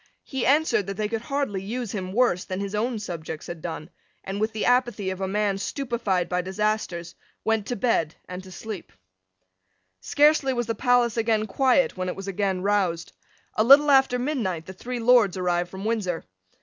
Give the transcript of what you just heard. He answered that they could hardly use him worse than his own subjects had done, and, with the apathy of a man stupified by disasters, went to bed and to sleep. Scarcely was the palace again quiet when it was again roused. A little after midnight the three Lords arrived from Windsor.